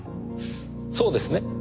そうですね？